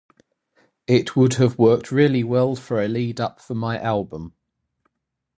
It would have worked really well for a lead up for my album.